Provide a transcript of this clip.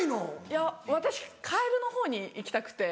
いや私カエルのほうに行きたくて。